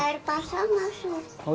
setiap air pasang masuk